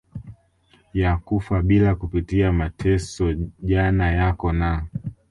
ya kufa bila kupitia mateso Jana yako na